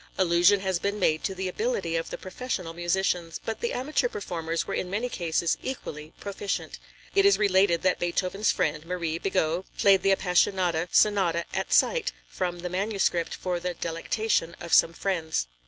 Allusion has been made to the ability of the professional musicians, but the amateur performers were in many cases equally proficient. It is related that Beethoven's friend, Marie Bigot, played the Appassionata Sonata at sight from the manuscript for the delectation of some friends.